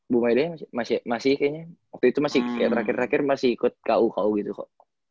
bu mede masih kayaknya waktu itu masih kayak terakhir terakhir masih ikut ku gitu kok